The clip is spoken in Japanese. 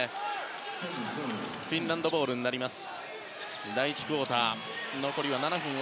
フィンランドボールになります。